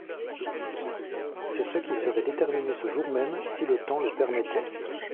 C’est ce qui serait déterminé ce jour même, si le temps le permettait.